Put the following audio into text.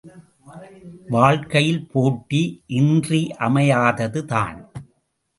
வாழ்க்கையில் போட்டி இன்றியமையாததுதான்.